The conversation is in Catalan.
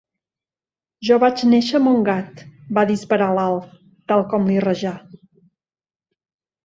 Jo vaig néixer a Montgat —va disparar l'Alf, tal com li rajà.